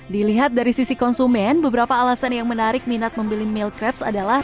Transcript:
dilihat dari sisi konsumen beberapa alasan yang menarik minat membeli milk crepes adalah